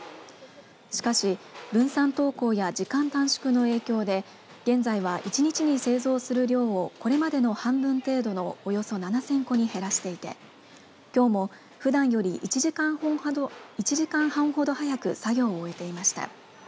しかし分散登校や時間短縮の影響で現在は、１日に製造する量をこれまでの半分程度のおよそ７０００個に減らしていてきょうも、ふだんより１時間半ほど早く作業を終えていました。